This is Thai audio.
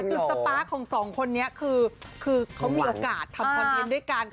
จุดสเปอะของสองคนนี้เค้ามีโอกาสทำคอนเทนต์ด้วยกัน